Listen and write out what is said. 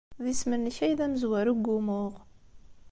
D isem-nnek ay d amezwaru deg wumuɣ.